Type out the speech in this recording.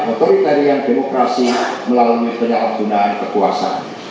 otoritarian demokrasi melalui penyalahgunaan kekuasaan